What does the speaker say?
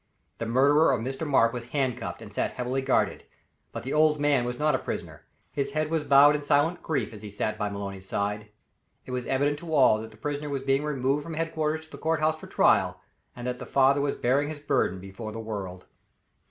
The murderer of Mr. Mark was handcuffed, and sat heavily guarded; but the old man was not a prisoner his head was bowed in silent grief, as he sat by Maloney's side. It was evident to all that the prisoner was being removed from headquarters to the court house for trial, and that the father was bearing his burden before the world.